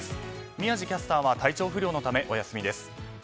宮司キャスターは体調不良のため、お休みです。